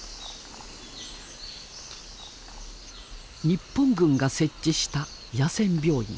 日本軍が設置した野戦病院。